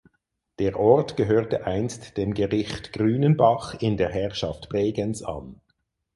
Der Ort gehörte einst dem Gericht Grünenbach in der Herrschaft Bregenz an.